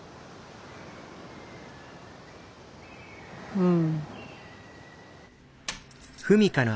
うん。